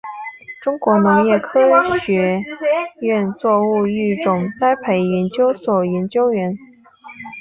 中国农业科学院作物育种栽培研究所研究员。